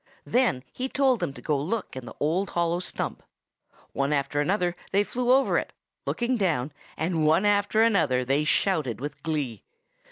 Then he told them to go look in the old hollow stump. One after another they flew over it, looking down, and one after another they shouted with glee.